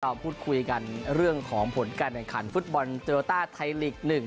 เราพูดคุยกันเรื่องของผลการแบ่งขันฟุตบอลเจอร์โต้ต้าไทยหนึ่ง